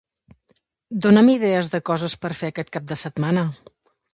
Dona'm idees de coses per fer aquest cap de setmana.